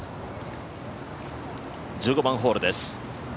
１５番ホールです。